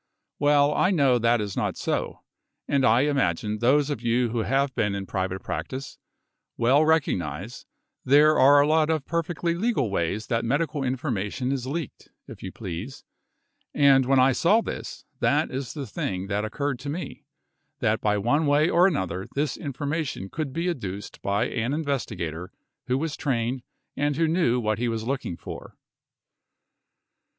Well, I know that is not so, and I imagine those of you who have been in private practice well recognize there are a lot of perfectly legal ways that medical information is leaked, if you please, and when I saw this that is the thing that occurred to me, that by one way or another this information could be adduced by an investigator who was trained and who knew what he was looking for.